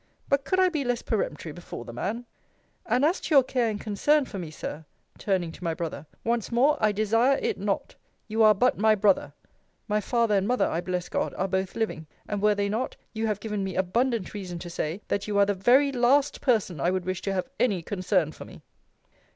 But could I be less peremptory before the man? And, as to your care and concern for me, Sir, turning to my brother; once more I desire it not. You are but my brother. My father and mother, I bless God, are both living; and were they not, you have given me abundant reason to say, that you are the very last person I would wish to have any concern for me.